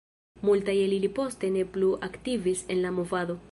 Multaj el ili poste ne plu aktivis en la movado.